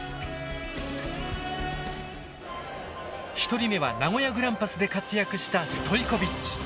１人目は名古屋グランパスで活躍したストイコビッチ。